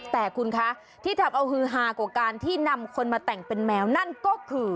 แต่คุณคะที่ทำเอาฮือฮากว่าการที่นำคนมาแต่งเป็นแมวนั่นก็คือ